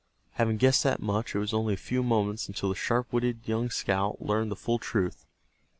Having guessed that much, it was only a few moments until the sharp witted young scout learned the full truth.